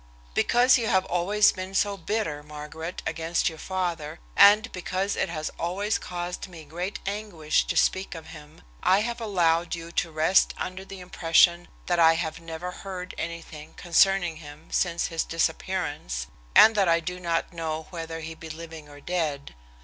"Because you have always been so bitter, Margaret, against your father, and because it has always caused me great anguish to speak of him, I have allowed you to rest under the impression that I had never heard anything concerning him since his disappearance, and that I do not know whether he be living or dead.